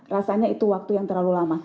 rasanya itu waktu yang terlalu lama